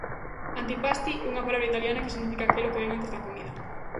Antipasti é unha palabra italiana que significa aquelo que ven antes da comida.